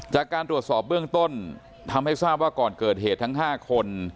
จากการตรวจสอบเบื้องต้นทำให้ทราบว่าก่อนเกิดเหตุทั้ง๕คน